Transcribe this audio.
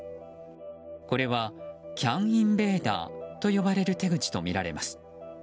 これは、ＣＡＮインベーダーと呼ばれる手口とみられます。